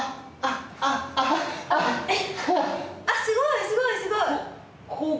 すごいすごい！